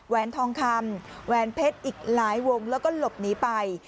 แวนทองคำแหวนเพชรอีกหลายวงแล้วก็หลบหนีไป